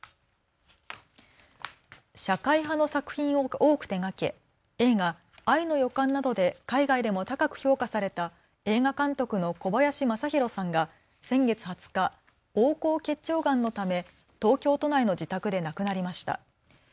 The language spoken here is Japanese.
社会派の作品を多く手がけ映画、愛の予感などで海外でも高く評価された映画監督の小林政広さんが先月２０日、横行結腸がんのため東京都内の自宅で亡くなりました。